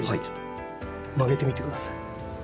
曲げてみて下さい。